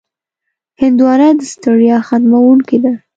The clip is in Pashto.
هندوانه د ستړیا ختموونکې ده.